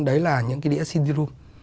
đấy là những cái đĩa cd rom